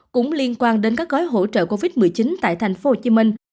cũng liên quan đến các gói hỗ trợ covid một mươi chín tại tp hcm